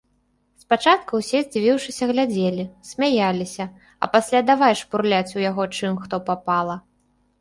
Спачатку ўсе здзівіўшыся глядзелі, смяяліся, а пасля давай шпурляць у яго чым хто папала.